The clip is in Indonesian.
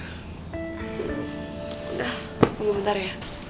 udah tunggu bentar ya